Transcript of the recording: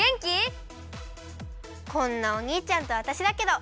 こんなおにいちゃんとわたしだけど。